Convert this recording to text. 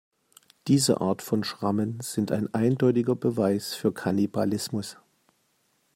Diese Art von Schrammen sind ein eindeutiger Beweis für Kannibalismus.